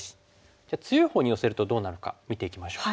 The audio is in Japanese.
じゃあ強いほうに寄せるとどうなるか見ていきましょう。